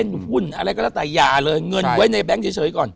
หุ้นอะไรก็แล้วแต่อย่าเลยเงินไว้ในแบงค์เฉยก่อน